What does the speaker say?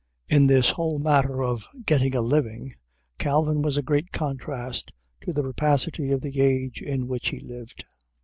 In this whole matter of "getting a living," Calvin was a great contrast to the rapacity of the age in which he lived.